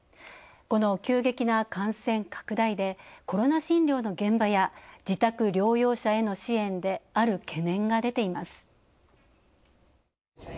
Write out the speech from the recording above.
この急激な感染拡大でコロナ診療の現場や自宅療養者への支援である懸念が出ています。